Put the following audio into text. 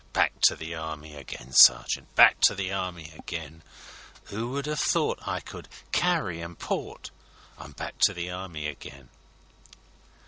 Back to the Army again, sergeant, Back to the Army again; 'Oo would ha' thought I could carry an' port? I'm back to the Army again!